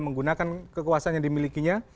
menggunakan kekuasaan yang dimilikinya